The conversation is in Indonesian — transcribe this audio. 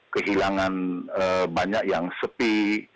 kehilangan banyak yang sepi